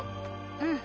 うん。